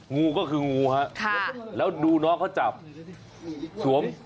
งูก็คืองูฮะแล้วดูน้องเขาจับสวม